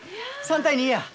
３対２や。